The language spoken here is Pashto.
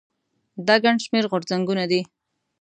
دا ګڼ شمېر غورځنګونه دي.